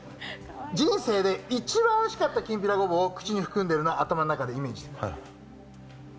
人生で一番おいしかったきんぴらごぼうを口に含んでいるのを頭に描いてください。